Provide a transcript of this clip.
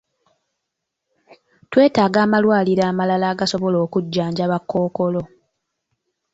Twetaaga amalwaliro amalala agasobola okujjanjaba kkookolo.